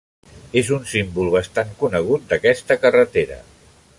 És un símbol bastant conegut d'aquesta carretera.